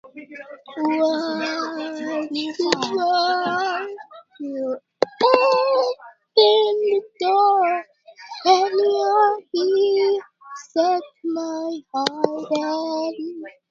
Such locks typically provide, and some feature an audible response to each press.